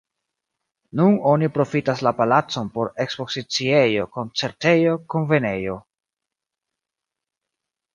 Nun oni profitas la palacon por ekspoziciejo, koncertejo, kunvenejo.